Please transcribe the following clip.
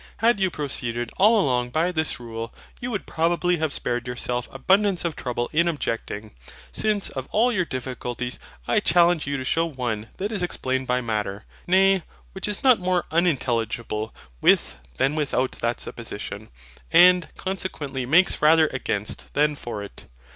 Had you proceeded all along by this rule, you would probably have spared yourself abundance of trouble in objecting; since of all your difficulties I challenge you to shew one that is explained by Matter: nay, which is not more unintelligible with than without that supposition; and consequently makes rather AGAINST than FOR it.